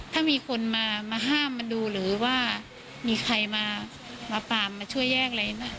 ถ้ามีคนมาห้ามมาดูหรือว่ามีใครมาปามมาช่วยแยกอะไรนะ